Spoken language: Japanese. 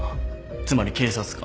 つまり警察官。